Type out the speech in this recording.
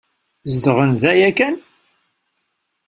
Zedɣen da yakan?